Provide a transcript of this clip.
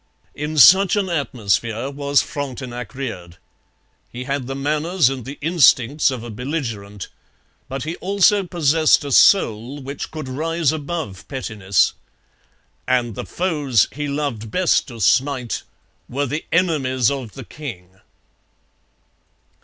In such an atmosphere was Frontenac reared. He had the manners and the instincts of a belligerent. But he also possessed a soul which could rise above pettiness. And the foes he loved best to smite were the enemies of the king.